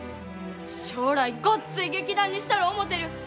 将来ごっつい劇団にしたろ思うてる。